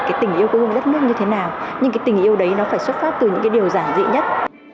cái tình yêu quê hương đất nước như thế nào nhưng cái tình yêu đấy nó phải xuất phát từ những cái điều giản dị nhất